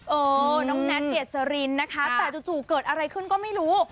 เออน้องแน็ตเดสรินนะคะแต่จู่เกิดอะไรขึ้นก็ไม่รู้